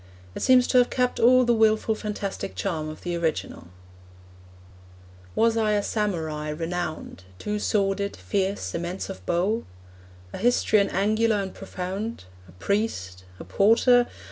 It seems to have kept all the wilful fantastic charm of the original: Was I a Samurai renowned, Two sworded, fierce, immense of bow? A histrion angular and profound? A priest? a porter?